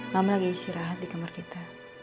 mama lagi isi rahat di kamar kita